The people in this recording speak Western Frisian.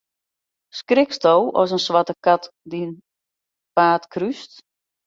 Skriksto as in swarte kat dyn paad krúst?